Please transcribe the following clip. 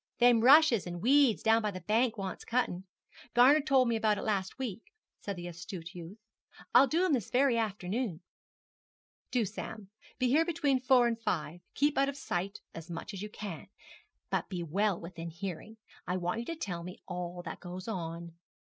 'Them rushes and weeds down by the bank wants cutting. Gar'ner told me about it last week,' said the astute youth. 'I'll do 'em this very afternoon.' 'Do, Sam. Be there between four and five. Keep out of sight as much as you can, but be well within hearing. I want you to tell me all that goes on.'